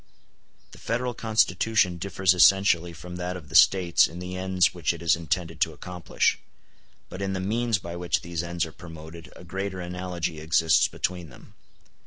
The Federal Constitution differs essentially from that of the States in the ends which it is intended to accomplish, but in the means by which these ends are promoted a greater analogy exists between them.